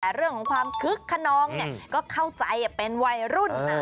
แต่เรื่องของความคึกขนองก็เข้าใจเป็นวัยรุ่น